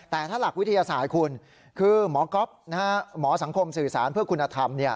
แต่ถ้าหลักวิทยาศาสตร์คุณคือหมอก๊อฟหมอสังคมสื่อสารเพื่อคุณธรรม